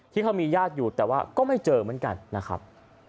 ที่เขามีญาติอยู่แต่ว่าก็ไม่เจอเหมือนกันนะครับ